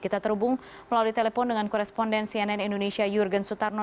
kita terhubung melalui telepon dengan koresponden cnn indonesia jurgen sutarno